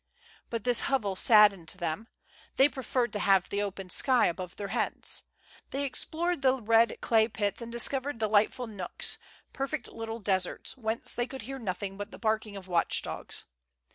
But this hovel saddened them ; they preferred to have the open sky above their heads. They explored the red clay pits, they discovered delightful nooks, perfect little deserts^ whence they could hear nothing but the barking of watch dogs.